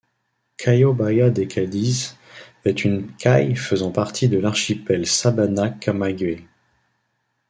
Cayo Bahía de Cádiz est une caye faisant partie de l'archipel Sabana-Camagüey.